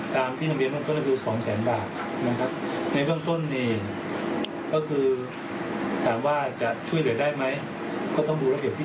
แต่ว่าโดยเรื่องของการเกี่ยวเหลือกับการเทศบาลและข้อทิม